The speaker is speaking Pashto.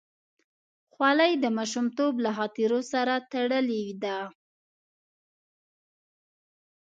خولۍ د ماشومتوب له خاطرو سره تړلې ده.